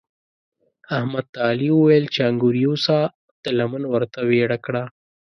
احمد ته علي وويل چې انګور یوسه؛ ده لمن ورته ويړه کړه.